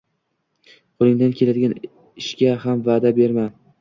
Qo’lingdan keladigan ishga ham va’da berma.